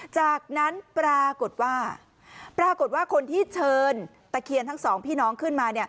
จากนั้นปรากฏว่าคนที่เชิญตะเคียนทั้ง๒พี่น้องขึ้นมา